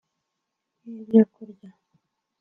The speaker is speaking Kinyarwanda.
nk’ibyo kurya